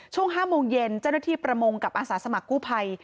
ช่วง๕๐๐มเย็นเจ้าหน้าที่ประมงกับอาศาสมกุภัย